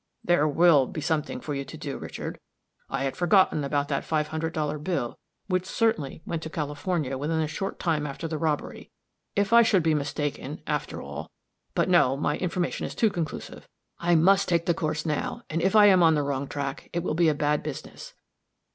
"There will be something for you to do, Richard. I had forgotten about that five hundred dollar bill, which certainly went to California within a short time after the robbery. If I should be mistaken, after all but no! my information is too conclusive I must take the course, now, and if I am on the wrong track, it will be a bad business.